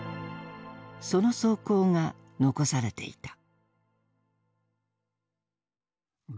その草稿が遺されていた。